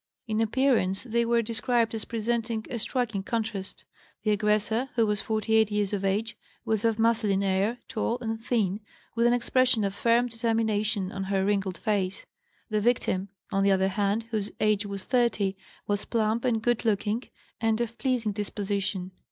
In appearance they were described as presenting a striking contrast: the aggressor, who was 48 years of age, was of masculine air, tall and thin, with an expression of firm determination on her wrinkled face; the victim, on the other hand, whose age was 30, was plump and good looking and of pleasing disposition.